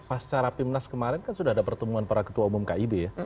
pas secara pimnas kemarin kan sudah ada pertemuan para ketua umum kib ya